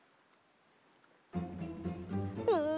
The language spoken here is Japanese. うん。